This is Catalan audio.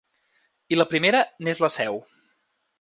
I la primera n’és la seu.